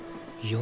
４？